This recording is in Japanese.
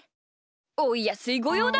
おやすいごようだ！